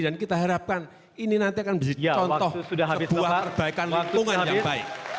dan kita harapkan ini nanti akan menjadi contoh sebuah perbaikan lingkungan yang baik